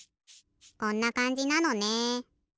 こんなかんじなのね。